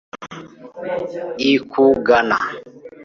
ikugana